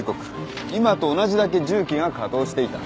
今と同じだけ重機が稼働していた。